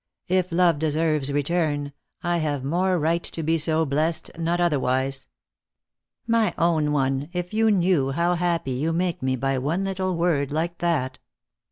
" If love deserves return, I have more right to be so blessed, not otherwise. My own one, if you knew how happy you make me by one little word like that.